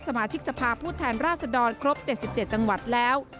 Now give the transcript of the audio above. สมาชิกสภาพผู้แทนราชดรครบ๗๗จังหวัดแล้ว